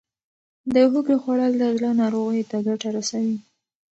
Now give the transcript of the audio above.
د هوږې خوړل د زړه ناروغیو ته ګټه رسوي.